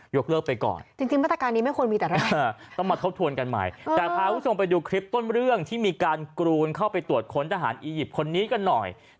เลิกไปก่อนจริงมาตรการนี้ไม่ควรมีแต่เรื่องต้องมาทบทวนกันใหม่แต่พาคุณผู้ชมไปดูคลิปต้นเรื่องที่มีการกรูนเข้าไปตรวจค้นทหารอียิปต์คนนี้กันหน่อย